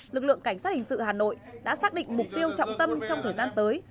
lực lượng cảnh sát hình sự hà nội đã xác định mục tiêu trọng tâm trong thời gian tới